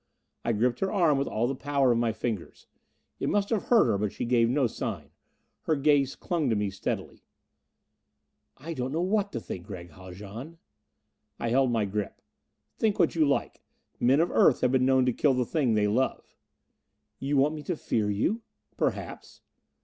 I gripped her arm with all the power of my fingers. It must have hurt her, but she gave no sign; her gaze clung to me steadily. "I don't know what to think, Gregg Haljan...." I held my grip. "Think what you like. Men of Earth have been known to kill the thing they love." "You want me to fear you?" "Perhaps."